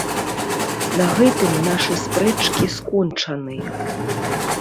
На гэтым нашы спрэчкі скончаны.